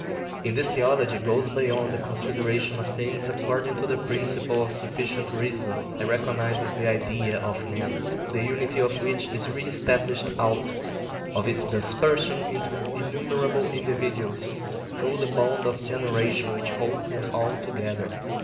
In this theology goes beyond the consideration of things according to the principle of sufficient reason, and recognises the Idea of man, the unity of which is re established out of its dispersion into innumerable individuals through the bond of generation which holds them all together.